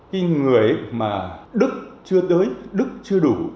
cái người mà đức chưa tới đức chưa đủ